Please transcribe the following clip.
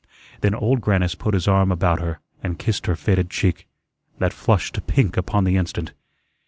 Then Old Grannis put his arm about her, and kissed her faded cheek, that flushed to pink upon the instant.